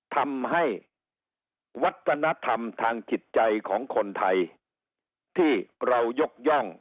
ทำให้วัฒนธรรมทางจิตใจของคนไทยที่เรายกย่อง